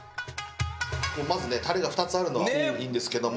まずねタレが２つあるのがいいんですけども。